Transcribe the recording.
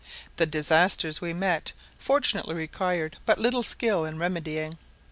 The disasters we met fortunately required but little skill in remedying.